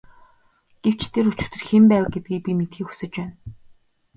Гэвч тэр өчигдөр хэн байв гэдгийг би мэдэхийг хүсэж байна.